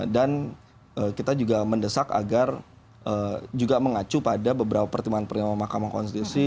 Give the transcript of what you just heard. dan kita juga mendesak agar juga mengacu pada beberapa pertimbangan pertama mahkamah konstitusi